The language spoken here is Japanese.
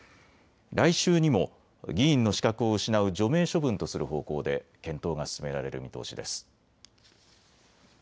来週にも議員の資格を失う除名処分とする方向で検討が進められる見通しです。